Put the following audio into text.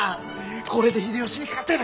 これで秀吉に勝てる！